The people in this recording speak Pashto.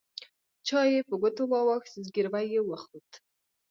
چای يې په ګوتو واوښت زګيروی يې وخوت.